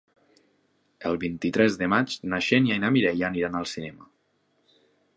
El vint-i-tres de maig na Xènia i na Mireia aniran al cinema.